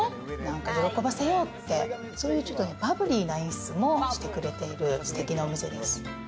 喜ばせようって、そういうバブリーな演出もしてくれている、ステキなお店です。